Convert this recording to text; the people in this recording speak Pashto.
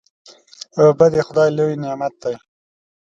اوبه د خدای لوی نعمت دی.